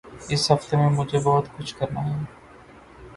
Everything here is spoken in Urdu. اس ہفتے میں مجھے بہت کچھ کرنا ہے۔